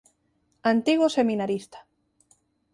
Antigo seminarista.